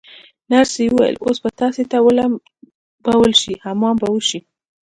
نرسې وویل: اوس به تاسي ولمبول شئ، حمام به وشی.